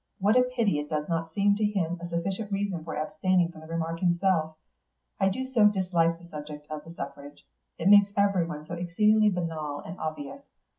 "What a pity it does not seem to him a sufficient reason for abstaining from the remark himself. I do so dislike the subject of the suffrage; it makes everyone so exceedingly banal and obvious.